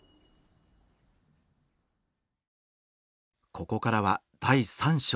ここからは第３章。